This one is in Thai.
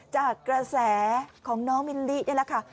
จากกระแสของน้องมิลลินี่แหละค่ะ